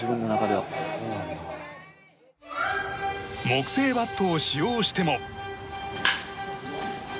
木製バットを使用しても。